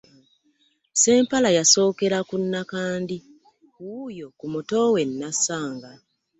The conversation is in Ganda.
Ssempala yasookera ku Nakandi wuuyo ku muto we Nassanga